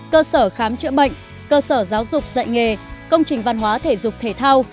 cơ sở khám chữa bệnh cơ sở giáo dục dạy nghề công trình văn hóa thể dục thể thao